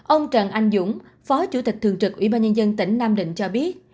ông trần anh dũng phó chủ tịch thường trực ủy ban nhân dân tỉnh nam định cho biết